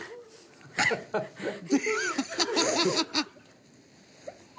ハハハハ！